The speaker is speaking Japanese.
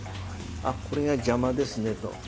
「あこれが邪魔ですね」と。